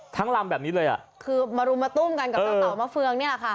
ลำแบบนี้เลยอ่ะคือมารุมมาตุ้มกันกับเจ้าเต่ามะเฟืองนี่แหละค่ะ